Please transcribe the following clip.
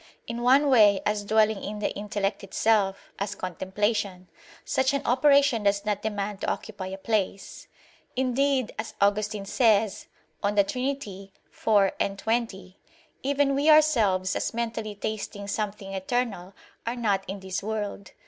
In one way, as dwelling in the intellect itself, as contemplation; such an operation does not demand to occupy a place; indeed, as Augustine says (De Trin. iv, 20): "Even we ourselves as mentally tasting something eternal, are not in this world."